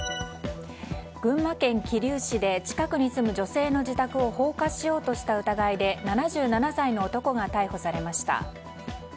群馬県桐生市で近くに住む女性の自宅を放火しようとした疑いで７７歳の男が逮捕されました。